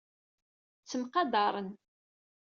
Ttemqadaren.